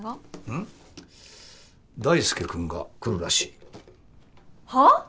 大輔君が来るらしい。